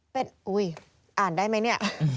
เป็นอุ๊ยอ่านได้ไหมเนี่ย